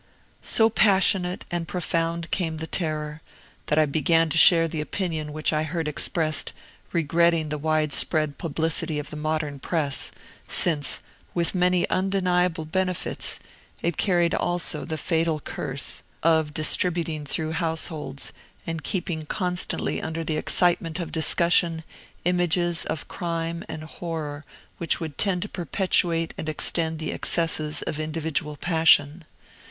So passionate and profound became the terror, that I began to share the opinion which I heard expressed, regretting the widespread publicity of the modern press, since, with many undeniable benefits, it carried also the fatal curse of distributing through households, and keeping constantly under the excitement of discussion, images of crime and horror which would tend to perpetuate and extend the excesses of individual passion.